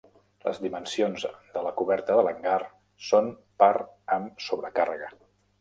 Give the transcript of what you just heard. Les dimensions de la coberta de l'hangar són per/amb sobrecàrrega.